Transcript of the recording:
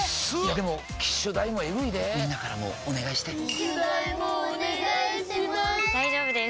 でも機種代もエグいでぇみんなからもお願いして機種代もお願いします